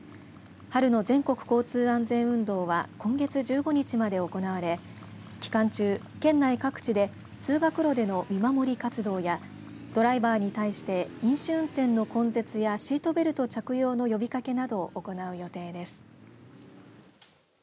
春の全国交通安全運動は今月１５日まで行われ期間中、県内各地で通学路での見守り活動やドライバーに対して飲酒運転の根絶やシートベルト着用の呼びかけなどを行う予定です。